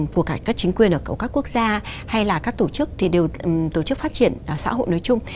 của cả các chính quyền ở các quốc gia hay là các tổ chức thì đều tổ chức phát triển xã hội nói chung